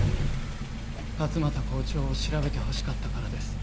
勝又校長を調べてほしかったからです。